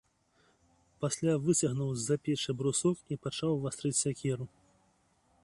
Пасля выцягнуў з-за печы брусок і пачаў вастрыць сякеру.